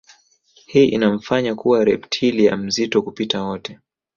Hii inamfanya kuwa reptilia mzito kupita wote